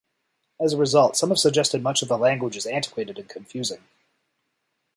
As a result, some have suggested much of the language is antiquated and confusing.